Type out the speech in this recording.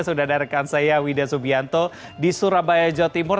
sudah ada rekan saya wida subianto di surabaya jawa timur